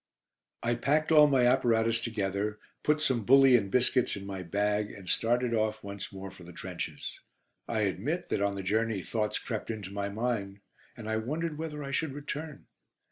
I packed all my apparatus together, put some bully and biscuits in my bag, and started off once more for the trenches. I admit that on the journey thoughts crept into my mind, and I wondered whether I should return.